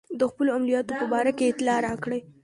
د خپلو عملیاتو په باره کې اطلاع راکړئ.